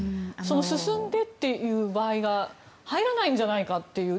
進んでという場合が入らないんじゃないかという。